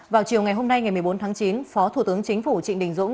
vào chiều ngày hôm nay ngày một mươi bốn tháng chín phó thủ tướng chính phủ trịnh đình dũng